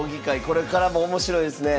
これからも面白いですね。